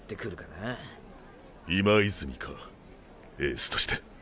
今泉かエースとして。